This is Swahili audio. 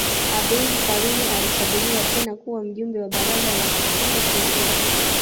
Abeid Karume alichaguliwa tena kuwa mjumbe wa baraza la kutunga sheria